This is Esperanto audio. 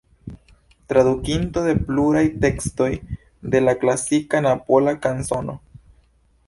Tradukinto de pluraj tekstoj de la klasika Napola kanzono.